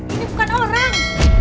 ini bukan orang